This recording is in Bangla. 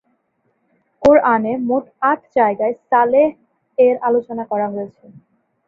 কুরআনে মোট আট জায়গায় সালেহ এর আলোচনা করা হয়েছে।